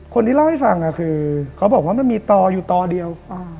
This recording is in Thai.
คนที่เล่าให้ฟังคือเขาบอกว่ามันมีต่ออยู่ต่อเดียว